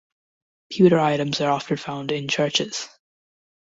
Pewter items are often found in churches.